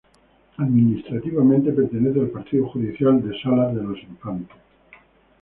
Administrativamente pertenece al partido judicial de Salas de los Infantes.